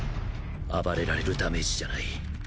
暴れられるダメージじゃない。